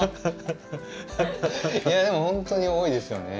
でも、本当に多いですよね。